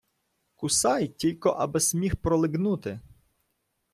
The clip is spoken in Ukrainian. Кусай тілько, аби-с міг пролиґнути.